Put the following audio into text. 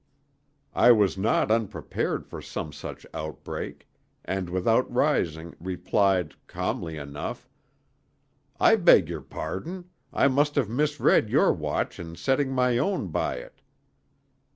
I was not unprepared for some such outbreak, and without rising replied, calmly enough: "I beg your pardon; I must have misread your watch in setting my own by it."